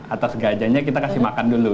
atas gajahnya kita kasih makan dulu